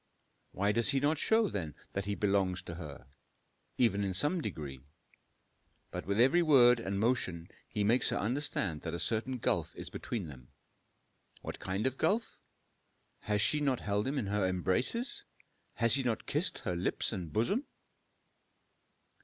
Why does he not show, then, that he belonged to her, even in some degree? But with every word and motion he makes her understand that a certain gulf is between them. What kind of gulf? Has she not held him in her embraces? Has he not kissed her lips and bosom?